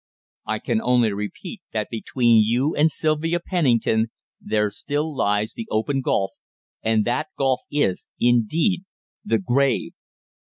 "I can only repeat that between you and Sylvia Pennington there still lies the open gulf and that gulf is, indeed, the grave.